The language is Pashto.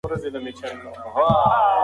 تاسي باید له مهاراجا سره مرسته وکړئ.